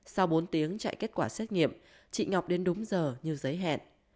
sau bốn tiếng chạy kết quả xét nghiệm chị ngọc đến đúng giờ như giới hẹn